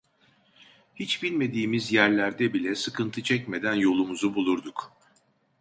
Hiç bilmediğimiz yerlerde bile sıkıntı çekmeden yolumuzu bulurduk.